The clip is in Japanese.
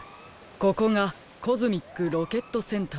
ここがコズミックロケットセンターですか。